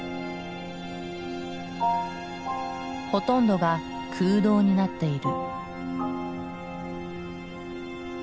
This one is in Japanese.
ほとんどが空洞になっている。